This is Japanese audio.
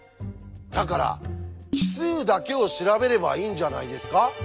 だから奇数だけを調べればいいんじゃないですか？